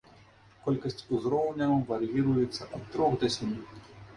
Колькасць узроўняў вар'іруецца ад трох да сямі.